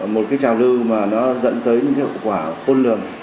một cái trào lưu mà nó dẫn tới những cái hậu quả khôn lường